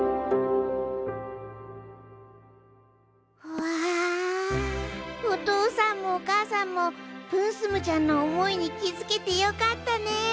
うわお父さんもお母さんもプンスムちゃんの思いに気づけてよかったね。